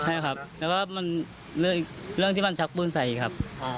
ใช่ครับแต่ว่ามันเรื่องที่มันชักปืนใส่อีกครับ